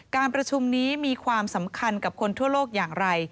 การประชุมนี้มีความสำคัญกับคนทั่วโลกอย่างไร